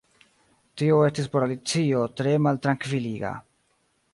Tio estis por Alicio tre maltrankviliga.